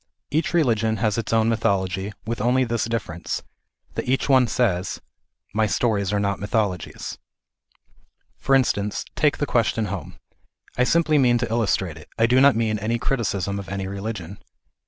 Each religion has its own mythology, with only this difference, that each one says " My stories are not mythologies." For instance, take the question home. I simply mean to illustrate it ; I do not mean any criticism of any religion.